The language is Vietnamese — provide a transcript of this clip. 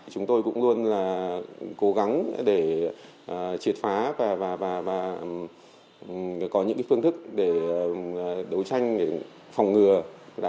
chúng tôi cũng luôn là cố gắng để triệt phá và có những phương thức để đấu tranh để phòng ngừa